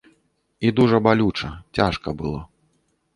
І дужа балюча, цяжка было.